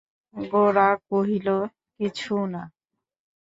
গোরা কহিল, কিছু না।